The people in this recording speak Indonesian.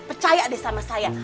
percaya deh sama saya